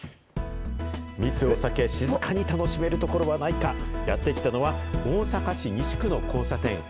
密をさけ、静かに楽しめるところはないか、やって来たのは、大阪市西区の交差点。